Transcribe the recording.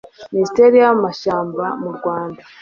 ministeri y'amashyamba mu rwanda